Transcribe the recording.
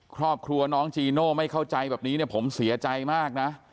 ครอบครัวน้องจีโน่ไม่เข้าใจแบบนี้เนี่ยผมเสียใจมากนะ